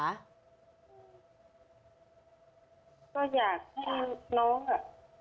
ก็อยากให้น้องอ่ะ